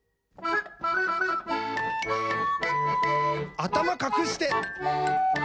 「あたまかくして！」